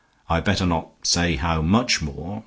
I had better not say how much more.